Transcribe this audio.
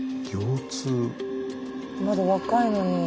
まだ若いのに。